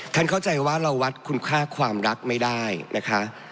เข้าใจว่าเราวัดคุณค่าความรักไม่ได้นะคะ